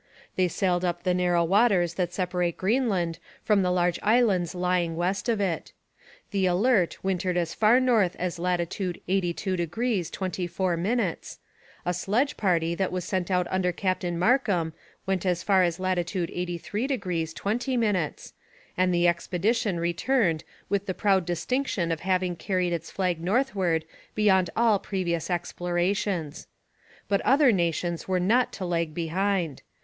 They sailed up the narrow waters that separate Greenland from the large islands lying west of it. The Alert wintered as far north as latitude 82° 24'. A sledge party that was sent out under Captain Markham went as far as latitude 83° 20', and the expedition returned with the proud distinction of having carried its flag northward beyond all previous explorations. But other nations were not to lag behind.